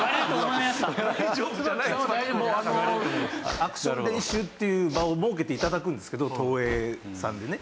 アクション練習という場を設けて頂くんですけど東映さんでね。